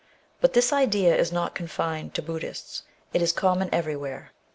But this idea is not confined to Buddists, it is common everywhere.